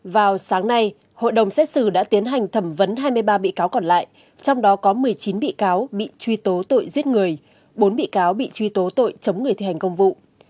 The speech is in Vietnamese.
vào sáng nay hội đồng xét xử đã tiến hành thẩm vấn hai mươi ba bị cáo còn lại trong đó có một mươi chín bị cáo bị truy tố tội giết người bốn bị cáo bị truy tố tội chống người thi hành công vụ